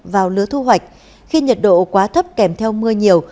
vào lứa thu hoạch khi nhiệt độ quá thấp kèm theo mưa nhiều